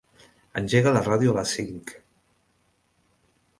Engega la ràdio a les cinc.